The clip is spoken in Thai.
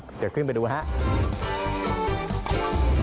เดี๋ยวขึ้นไปดูครับ